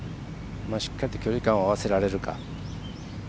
しっかりと距離感を合わせられるか。